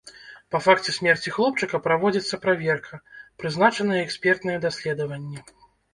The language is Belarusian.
Па факце смерці хлопчыка праводзіцца праверка, прызначаныя экспертныя даследаванні.